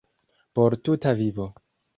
Por tuta vivo.